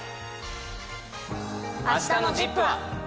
あしたのＺＩＰ！は。